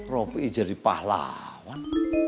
ropi i jadi pahlawan